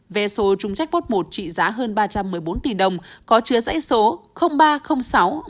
về số chúng jackpot một trị giá hơn ba trăm một mươi bốn tỷ đồng